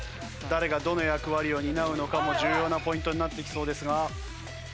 誰がどの役割を担うのかも重要なポイントになっていきそうですが。